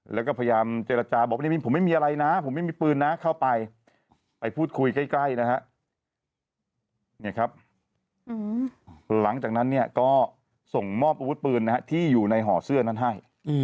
แล้วก็พยายามเจรจาบอกผมไม่มีอะไรนะผมไม่มีปืนนะเข้าไปไปพูดคุยใกล้นะฮะเนี่ยครับหลังจากนั้นเนี่ยก็ส่งมอบอาวุธปืนที่อยู่ในห่อเสื้อนั้นให้